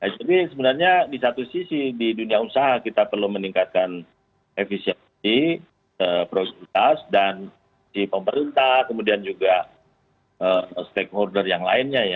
jadi sebenarnya di satu sisi di dunia usaha kita perlu meningkatkan efisiensi produktivitas dan si pemerintah kemudian juga stakeholder yang lainnya ya